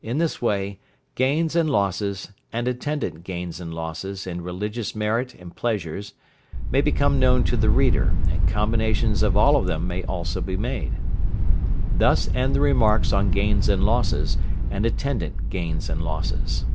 In this way gains and losses, and attendant gains and losses in religious merit and pleasures may become known to the reader, and combinations of all of them may also be made. Thus end the remarks on gains and losses, and attendant gains and losses.